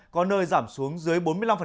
có nơi giảm xuống dưới bốn mươi năm